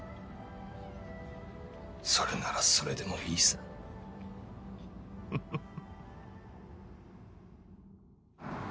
それならそれでもいいさフフフ